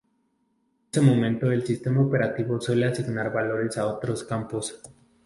En ese momento el sistema operativo suele asignar valores a otros campos.